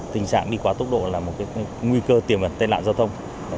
tình trạng đi quá tốc độ là một nguy cơ tiềm ẩn tai nạn giao thông